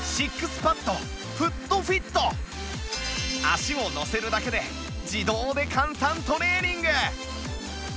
足を乗せるだけで自動で簡単トレーニング